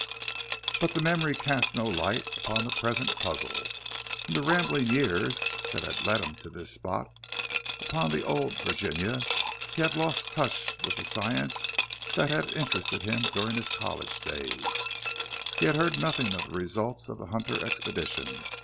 But the memory cast no light upon the present puzzle. In the rambling years that had led him to this spot upon the old Virginia, he had lost touch with the science that had interested him during his college days. He had heard nothing of the results of the Hunter expedition.